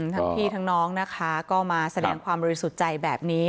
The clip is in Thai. ทั้งพี่ทั้งน้องนะคะก็มาแสดงความบริสุทธิ์ใจแบบนี้